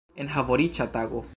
Enhavoriĉa tago!